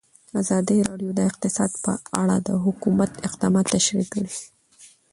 ازادي راډیو د اقتصاد په اړه د حکومت اقدامات تشریح کړي.